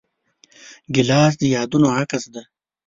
ګیلاس د یادونو عکس دی.